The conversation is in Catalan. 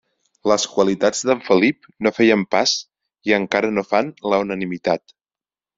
Les qualitats d'en Felip no feien pas i encara no fan la unanimitat.